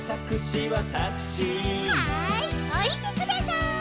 はいおりてください。